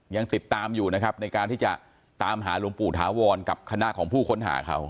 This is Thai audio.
ยังติดตามอยู่นะครับในการที่จะตามหาหลวงปู่ถาวรกับคณะของผู้ค้นหาเขา